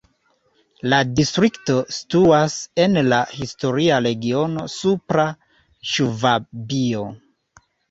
La distrikto situas en la historia regiono Supra Ŝvabio.